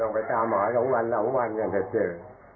มองประชาหมอครั้งวันอย่างใจเชิญ